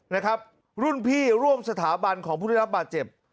นะครับรุ่นพี่ร่วมสถาบันของผู้ได้รับบาดเจ็บ